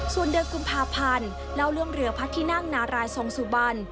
ส่วนเดือนกุมภาพันธ์เล่าเรื่องเรือพระที่นั่งนารายทรงสุบัน